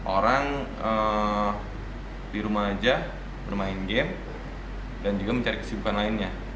orang di rumah aja bermain game dan juga mencari kesibukan lainnya